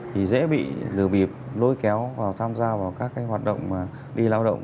thì dễ bị lừa bịp lôi kéo vào tham gia vào các hoạt động mà đi lao động